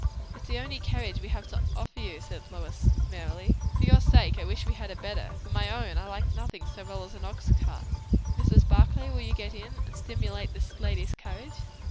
"It's the only carriage we have to offer you," said Lois merrily. "For your sake, I wish we had a better; for my own, I like nothing so well as an ox cart. Mrs. Barclay, will you get in? and stimulate this lady's courage?"